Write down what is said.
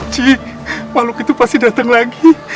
ji makhluk itu pasti dateng lagi